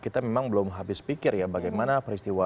kita memang belum habis pikir ya bagaimana peristiwa